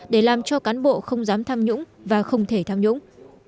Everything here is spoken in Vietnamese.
để làm cho cán bộ không dám tham nhũng và không thể tham nhũng